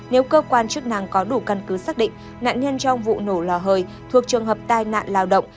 nếu cơ quan chức năng có đủ căn cứ xác định nạn nhân trong vụ nổ lò hơi thuộc trường hợp tai nạn lao động